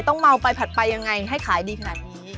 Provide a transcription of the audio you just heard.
ต้องเมาไปผัดไปยังไงให้ขายดีขนาดนี้